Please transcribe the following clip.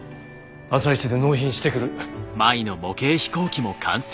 朝一で納品してくる。